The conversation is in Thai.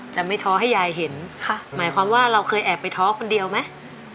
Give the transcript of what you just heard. จะไม่ท้อให้ยายเห็นค่ะหมายความว่าเราเคยแอบไปท้อคนเดียวไหม